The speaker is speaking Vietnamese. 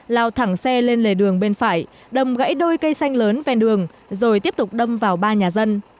lao thẳng xe lên lề đường bên phải đầm gãy đôi cây xanh lớn ven đường rồi tiếp tục đâm vào ba nhà dân